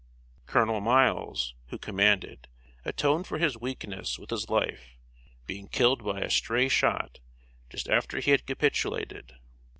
Colonel Miles, who commanded, atoned for his weakness with his life, being killed by a stray shot just after he had capitulated.